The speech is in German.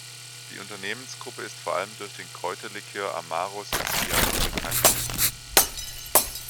Die Unternehmensgruppe ist vor allem durch den Kräuterlikör "Amaro Siciliano" bekannt.